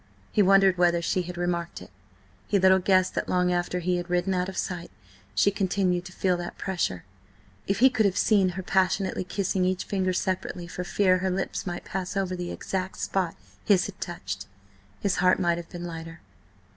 He wondered whether she had remarked it. He little guessed that long after he had ridden out of sight, she continued to feel that pressure. If he could have seen her passionately kissing each finger separately for fear her lips might pass over the exact spot his had touched, his heart might have been lighter.